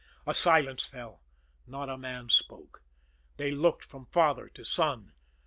A silence fell. Not a man spoke. They looked from father to son.